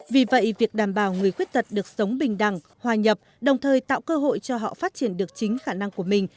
vì vậy việc đảm bảo người khuyết tật được sống bình đẳng hòa nhập đồng thời tạo cơ hội cho họ phát triển được chính khả năng của mình